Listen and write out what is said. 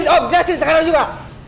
udah om dirasin sekalaibu juga